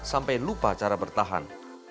sampai lupa cara bertahan